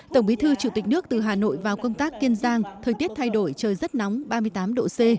tổng bí thư chủ tịch nước từ hà nội vào công tác kiên giang thời tiết thay đổi trời rất nóng ba mươi tám độ c